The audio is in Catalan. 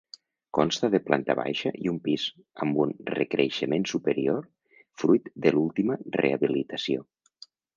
Consta de planta baixa i un pis, amb un recreixement superior fruit de l'última rehabilitació.